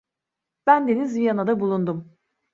Bendeniz Viyana'da bulundum.